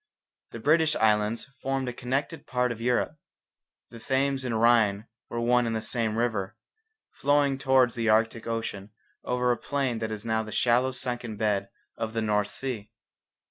The British islands formed a connected part of Europe. The Thames and the Rhine were one and the same river, flowing towards the Arctic ocean over a plain that is now the shallow sunken bed of the North Sea.